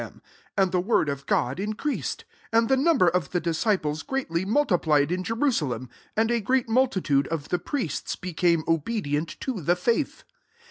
7 And the word of God increased: and the num her of the disciples greatly multiplied in Jerusalem : and a great multitude of the priests hecame obedient to the faith.